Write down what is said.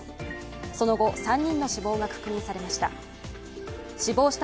その後、３人の死亡が確認されました。